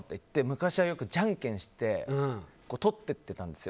昔はよくじゃんけんして取っていってたんです。